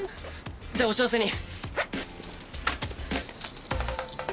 じゃあお幸せに。